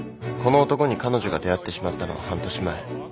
この男に彼女が出会ってしまったのは半年前。